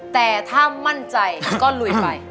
แต่ถ้ามั่นใจก็ลุยไป